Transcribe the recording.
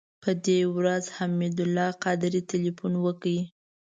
په دې ورځ حمید الله قادري تیلفون وکړ.